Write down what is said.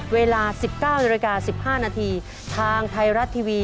เวลา๑๙น๑๕นทางไทยรัตน์ทีวี